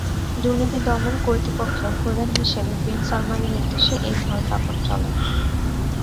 দুর্নীতি দমন কর্তৃপক্ষের প্রধান হিসেবে বিন সালমানের নির্দেশে এই ধরপাকড় চলে।